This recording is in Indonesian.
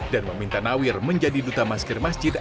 dan meminta nawir menjadi duta masker masjid